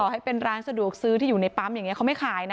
ให้เป็นร้านสะดวกซื้อที่อยู่ในปั๊มอย่างนี้เขาไม่ขายนะ